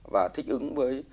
và thích ứng với